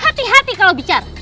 hati hati kalau bicara